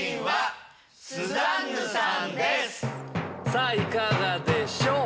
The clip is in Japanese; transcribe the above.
さぁいかがでしょう？